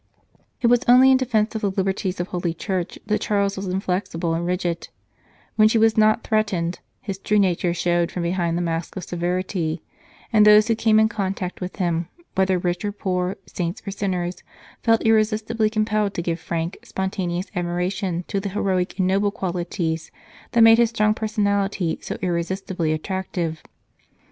It was only in defence of the liberties of Holy Church that Charles was inflexible and rigid ; when She was not threatened, his true nature showed from behind the mask of severity, and those who came in contact with him, whether rich or poor, saints or sinners, felt irresistibly compelled to give frank, spontaneous admiration to the heroic and noble qualities that made his strong personality so irresistibly attractive.